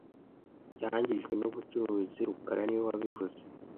Yangijwe nubucuruzi rukara niwe wabivuze